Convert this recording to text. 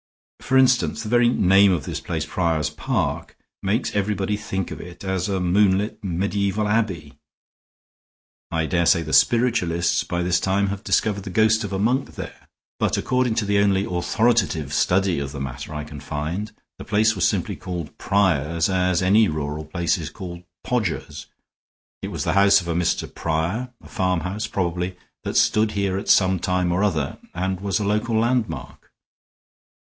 For instance, the very name of this place, Prior's Park, makes everybody think of it as a moonlit mediaeval abbey; I dare say the spiritualists by this time have discovered the ghost of a monk there. But, according to the only authoritative study of the matter I can find, the place was simply called Prior's as any rural place is called Podger's. It was the house of a Mr. Prior, a farmhouse, probably, that stood here at some time or other and was a local landmark.